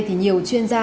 thì nhiều chuyên gia